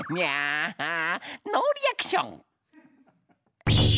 ノーリアクション！